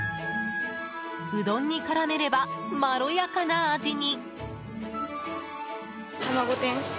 うどんに絡めればまろやかな味に。